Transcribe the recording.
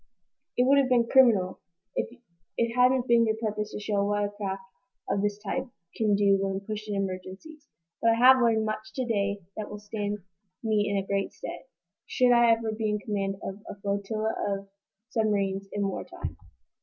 "It would have been criminal, if it hadn't been your purpose to show what a craft of this type can do when pushed in emergencies. But I have learned much to day that will stand me in great stead, should I ever be in command of a flotilla of submarines in war time."